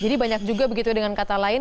jadi banyak juga begitu dengan kata lain